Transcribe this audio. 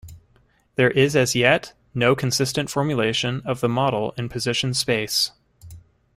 There is as yet no consistent formulation of the model in position space.